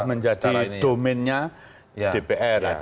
sudah menjadi domainnya dpr